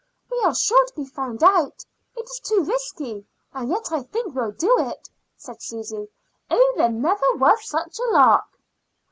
"We are sure to be found out. It is too risky; and yet I think we'll do it," said Susy. "Oh, there never was such a lark!"